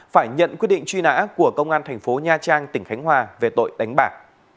phải nhận quyết định truy nã của công an thành phố nha trang tỉnh khánh hòa về tội đánh bạc